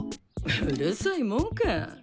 うるさいもんか！